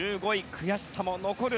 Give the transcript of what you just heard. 悔しさも残る。